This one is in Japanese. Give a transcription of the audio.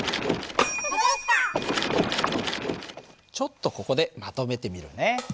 ちょっとここでまとめてみるね。